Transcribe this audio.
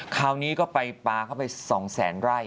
คราวนี้ก็ไปป่าเข้าไป๒๐๐๐๐๐ไรข์